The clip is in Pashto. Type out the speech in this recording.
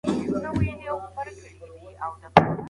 زه اوس د ورزش کولو تمرين کوم.